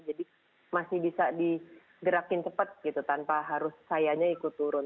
jadi masih bisa digerakin cepat gitu tanpa harus sayanya ikut turun